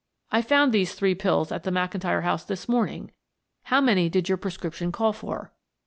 I found these three pills at the McIntyre house this morning; how many did your prescription call for?"